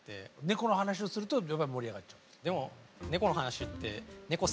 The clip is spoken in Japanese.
ネコの話をするとやっぱり盛り上がっちゃう。